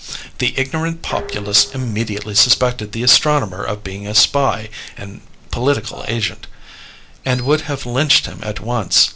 The ignorant populace immediately suspected the astronomer of being a spy and political agent, and would have lynched him at once.